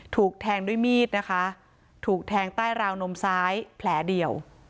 ถูกแทงด้วยมีดนะคะถูกแทงใต้ราวนมซ้ายแผลเดียว